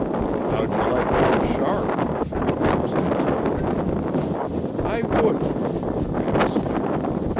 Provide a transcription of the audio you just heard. "How'd you like Old Shark?" Gramps asked. "I wouldn't," Gram sniffed.